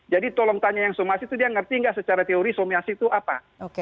jadi tolong tanya yang somasi itu dia ngerti enggak secara teori somasi itu apa